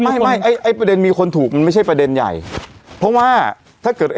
ไม่ไม่ไอ้ไอ้ประเด็นมีคนถูกมันไม่ใช่ประเด็นใหญ่เพราะว่าถ้าเกิด